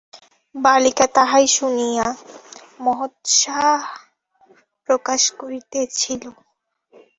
বালিকা তাহাই শুনিয়া মহোৎসাহ প্রকাশ করিতেছিল।